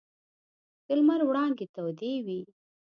د لمر وړانګې تودې وې.